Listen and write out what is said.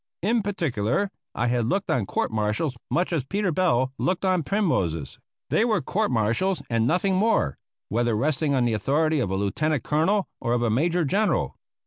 In particular I had looked on court martials much as Peter Bell looked on primroses they were court martials and nothing more, whether resting on the authority of a lieutenant colonel or of a major general.